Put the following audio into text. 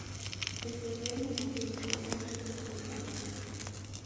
Storey demandó exitosamente por difamación.